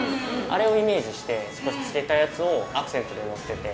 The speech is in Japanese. あれをイメージして少しつけたやつをアクセントでのっけて。